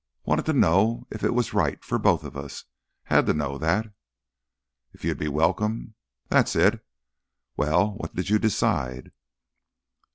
"Wanted to know ... if it was right ... for both of us ... had to know that." "If you'd be welcome—that it? Well, what did you decide?"